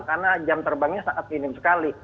karena jam terbangnya sangat minim sekali